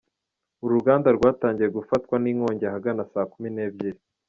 Uru ruganda rwatangiye gufatwa n’inkongi ahagana saa kumi n’ebyiri.